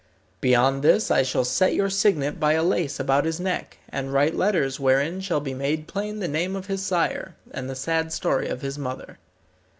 Beyond this I shall set your signet by a lace about his neck, and write letters wherein shall be made plain the name of his sire, and the sad story of his mother.